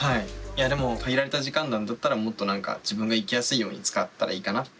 いやでも限られた時間なんだったらもっと自分が生きやすいように使ったらいいかなって思うかな。